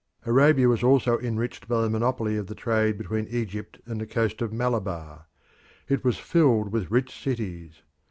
Arabia was also enriched by the monopoly of the trade between Egypt and the coast of Malabar. It was filled with rich cities.